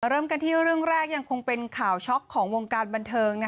เริ่มกันที่เรื่องแรกยังคงเป็นข่าวช็อกของวงการบันเทิง